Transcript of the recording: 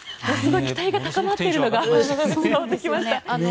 期待が高まっているのが伝わってきました。